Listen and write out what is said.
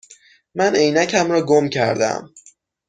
من عینکم را گم کرده ام.